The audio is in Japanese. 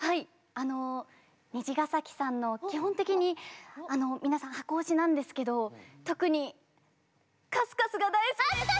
あの虹ヶ咲さんの基本的にあの皆さん箱推しなんですけど特にかすかすが大好きです！